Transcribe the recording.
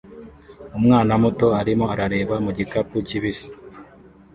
Umwana muto arimo arareba mu gikapu kibisi